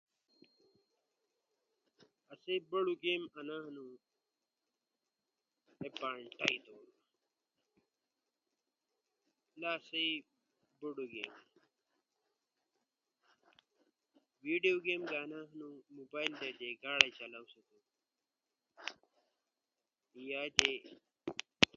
آسئی بڑو گیم انا ہنو، لکہ بانٹئی تھو، لا آسئی بڑو گیعلاوہ لالو انلائن اؤ افلائن گیم ہنی۔ سو آسئی لالے گیم تھونا۔ م ہنی۔ ویڈیو گیم ہم ہنی۔ گاڑو چلونو گیم، پلنکو گیم، بول گیم انیس کئی